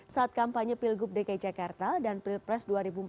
saat kampanye pilgub dki jakarta dan pilpres dua ribu empat belas dua ribu sembilan belas